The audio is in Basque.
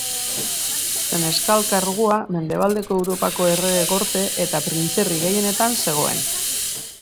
Seneskal kargua, Mendebaldeko Europako errege gorte eta printzerri gehienetan zegoen.